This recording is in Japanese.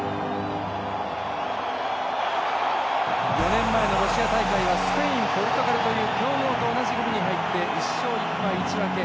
４年前のロシア大会はスペイン、ポルトガルという強豪と同じ組に入り１勝１敗１分け。